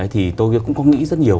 thì tôi cũng có nghĩ rất nhiều